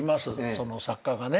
その作家がね。